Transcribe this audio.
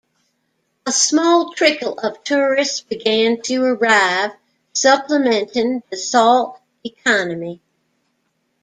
A small trickle of tourists began to arrive, supplementing the salt economy.